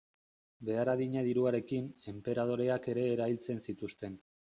Behar adina diruarekin, enperadoreak ere erailtzen zituzten.